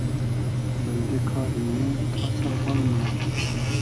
بئلدې کاری نېگ تا سئر بال مونۂ